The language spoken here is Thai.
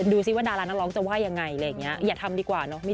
ดูซิว่าดาราน้องร้องจะว่ายังไงอย่าทำดีกว่าเนอะ